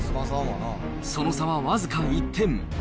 その差は僅か１点。